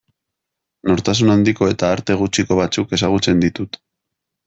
Nortasun handiko eta arte gutxiko batzuk ezagutzen ditut.